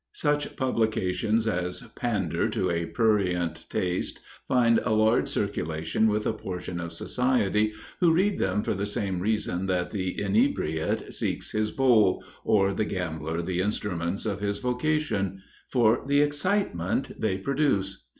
Such publications as pander to a prurient taste find a large circulation with a portion of society who read them for the same reason that the inebriate seeks his bowl, or the gambler the instruments of his vocation for the excitement they produce.